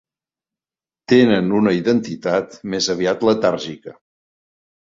Tenen una identitat més aviat letàrgica.